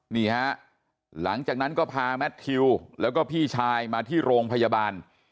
นี่ฮะหลังจากนั้นก็พาแมททิวแล้วก็พี่ชายมาที่โรงพยาบาล